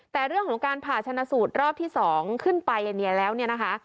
แต่เรื่องของการผ่าชนะสูตรรอบที่๒ขึ้นไปอย่างนี้แล้วนะคะ